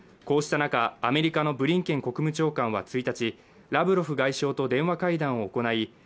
こうした中アメリカのブリンケン国務長官は１日ラブロフ外相と電話会談を行い